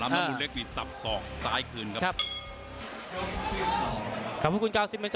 วันนี้เดี่ยงไปคู่แล้วนะพี่ป่านะ